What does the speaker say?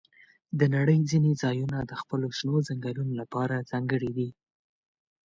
د نړۍ ځینې ځایونه د خپلو شنو ځنګلونو لپاره ځانګړي دي.